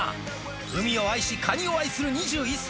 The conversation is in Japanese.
海を愛し、カニを愛する２１歳。